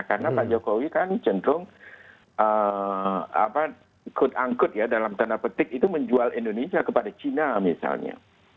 karena pak jokowi kan centrum angkut ya dalam tanda petik itu menjual indonesia kepada cina misalnya